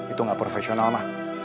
itu gak profesional mak